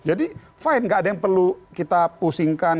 jadi fine gak ada yang perlu kita pusingkan